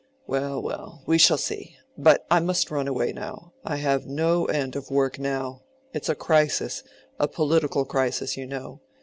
"Well, well, we shall see. But I must run away now—I have no end of work now—it's a crisis—a political crisis, you know.